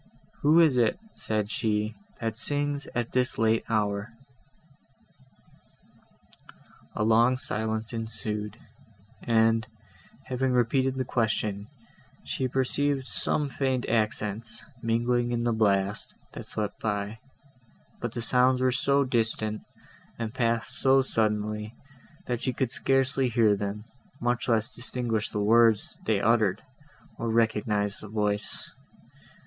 "Who is it," said she, "that sings at this late hour?" A long silence ensued, and, having repeated the question, she perceived some faint accents, mingling in the blast, that swept by; but the sounds were so distant, and passed so suddenly, that she could scarcely hear them, much less distinguish the words they uttered, or recognise the voice.